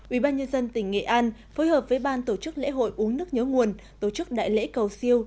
ubnd tỉnh nghệ an phối hợp với ban tổ chức lễ hội uống nước nhớ nguồn tổ chức đại lễ cầu siêu